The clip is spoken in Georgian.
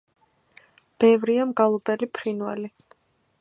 ბევრია მგალობელი ფრინველი.